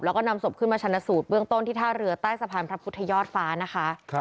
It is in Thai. แล้วก็นำศพขึ้นมาชนะสูตรเบื้องต้นที่ท่าเรือใต้สะพานพระพุทธยอดฟ้านะคะ